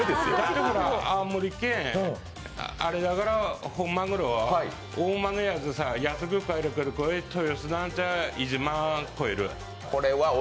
だから、青森県はあれだから、マグロは大間のやつさ、安く買えるから、豊洲なんか１万超える。